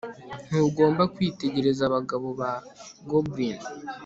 Ntugomba kwitegereza abagabo ba goblin